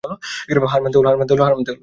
হার মানতে হল।